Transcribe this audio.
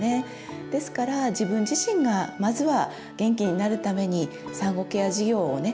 ですから自分自身がまずは元気になるために産後ケア事業をね